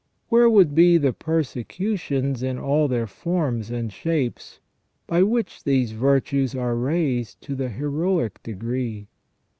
Where would be the persecutions in all their forms and shapes by which these virtues are raised to the heroic degree